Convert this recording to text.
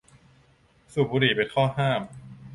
สุบบุหรี่เป็นข้อห้าม